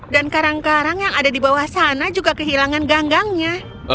dan karang karang yang ada di bawah sana juga kehilangan gang gangnya